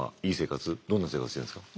どんな生活してるんですか？